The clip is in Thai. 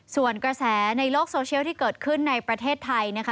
ส่วนกระแสในโลกโซเชียลที่เกิดขึ้นในประเทศไทยนะคะ